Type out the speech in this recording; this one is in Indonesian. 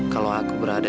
kalau aku berada